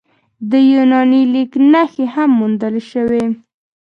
د یوناني لیک نښې هم موندل شوي